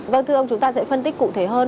vâng thưa ông chúng ta sẽ phân tích cụ thể hơn